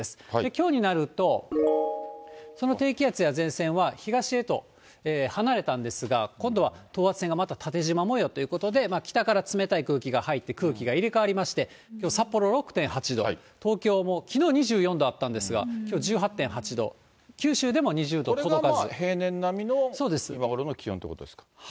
きょうになると、その低気圧や前線は東へと離れたんですが、今度は等圧線がまた縦じま模様ということで、北から冷たい空気が入って、空気が入れ代わりまして、札幌６．８度、東京もきのう２４度あったんですが、きょう１８．８度、九州でもこれがまあ、平年並みの今ごろの気温ということですか。